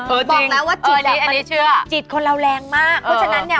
บอกแล้วว่าจิตนี้เชื่อจิตคนเราแรงมากเพราะฉะนั้นเนี่ย